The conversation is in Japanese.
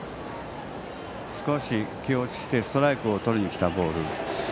少し気落ちしてストライクをとりにきたボール。